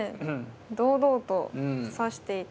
堂々と指していて。